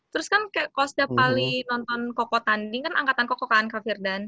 terus kan kayak kalau setiap kali nonton koko tanding kan angkatan koko kan kak firdan